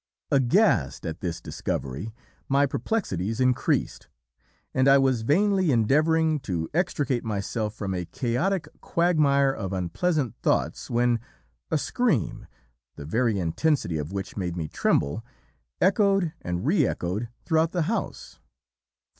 "Aghast at this discovery, my perplexities increased, and I was vainly endeavouring to extricate myself from a chaotic quagmire of unpleasant thoughts, when a scream, the very intensity of which made me tremble, echoed and re echoed throughout the house.